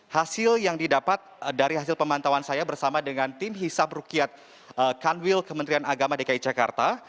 hasil yang didapat dari hasil pemantauan saya bersama dengan tim hisab rukyat kanwil kementerian agama dki jakarta